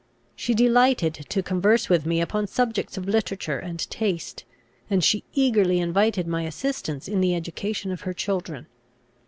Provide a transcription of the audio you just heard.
She delighted to converse with me upon subjects of literature and taste, and she eagerly invited my assistance in the education of her children.